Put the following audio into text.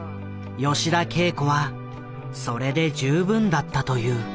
吉田恵子はそれで十分だったという。